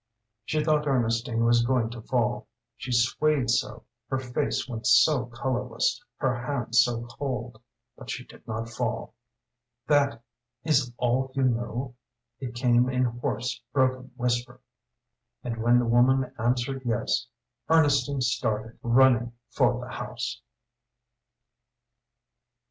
She thought Ernestine was going to fall she swayed so, her face went so colourless, her hands so cold. But she did not fall. "That is all you know?" it came in hoarse, broken whisper. And when the woman answered, yes, Ernestine started, running, for the house.